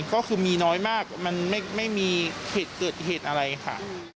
ก็คือมีน้อยมากมันไม่มีเหตุเกิดเหตุอะไรค่ะ